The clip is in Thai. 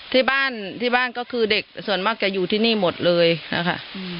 ที่บ้านที่บ้านก็คือเด็กส่วนมากจะอยู่ที่นี่หมดเลยนะคะ